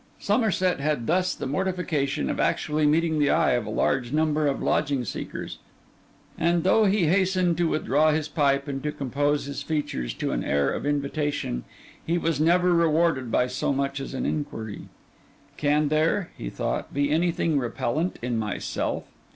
Somerset had thus the mortification of actually meeting the eye of a large number of lodging seekers; and though he hastened to withdraw his pipe, and to compose his features to an air of invitation, he was never rewarded by so much as an inquiry. 'Can there,' he thought, 'be anything repellent in myself?